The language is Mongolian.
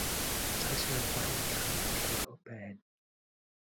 Цаашаа явахаар унтлагын гол өрөө байна.